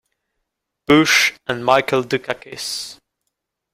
Bush and Michael Dukakis.